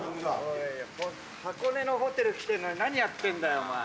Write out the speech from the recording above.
箱根のホテル来てるのに何やってんだよお前。